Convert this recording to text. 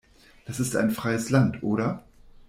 Das ist ein freies Land, oder?